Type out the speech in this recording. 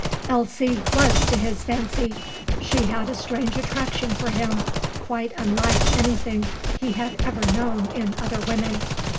Elsie was to his fancy. She had a strange attraction for him, quite unlike anything he had ever known in other women.